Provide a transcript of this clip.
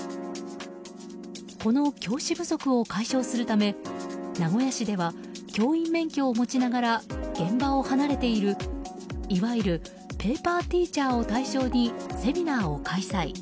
この教師不足を解消するため名古屋市では教員免許を持ちながら現場を離れているいわゆるペーパーティーチャーを対象にセミナーを開催。